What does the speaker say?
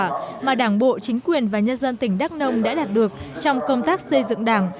kết quả mà đảng bộ chính quyền và nhân dân tỉnh đắk nông đã đạt được trong công tác xây dựng đảng